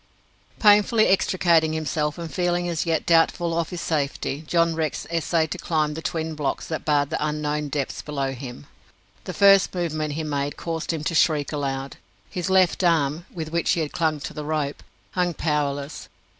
Painfully extricating himself, and feeling as yet doubtful of his safety, John Rex essayed to climb the twin blocks that barred the unknown depths below him. The first movement he made caused him to shriek aloud. His left arm with which he clung to the rope hung powerless.